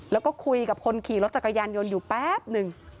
แล้วก็คุยกับคนขี่รถจักรยานยนต์อยู่แป๊บหนึ่ง